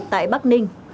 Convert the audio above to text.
tại bắc ninh